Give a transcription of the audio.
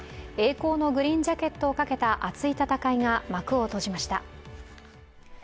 栄光のグリーンジャケットをかけた熱い戦いが幕を閉じました。